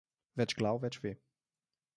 Več glav več ve.